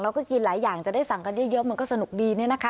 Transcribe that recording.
กินหลายอย่างจะได้สั่งกันเยอะมันก็สนุกดีเนี่ยนะคะ